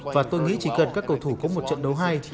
và tôi nghĩ chỉ cần các cầu thủ có một trận đấu hay